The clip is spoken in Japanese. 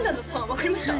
分かりました？